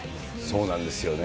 そうなんですよね。